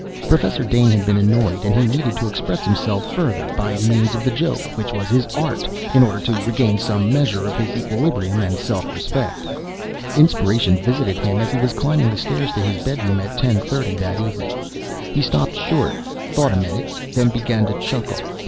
Professor Dane had been annoyed, and he needed to express himself further by means of the joke, which was his art in order to regain some measure of his equilibrium and self respect. Inspiration visited him as he was climbing the stairs to his bedroom at ten thirty that evening. He stopped short, thought a minute, then began to chuckle.